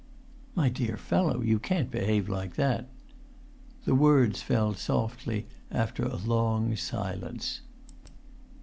"My dear fellow, you can't behave like that." The words fell softly after a long silence.